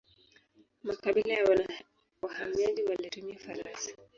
Makabila ya wahamiaji walitumia farasi.